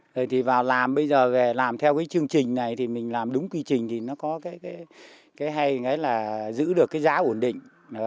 rồi thì vào làm bây giờ về làm theo cái chương trình này thì mình làm đúng quy trình thì nó có cái hay là giữ được cái giá ổn định